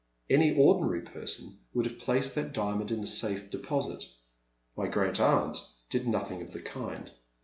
. Any ordinary person would have placed that diamond in a safe deposit. My great aunt did nothing of the kind.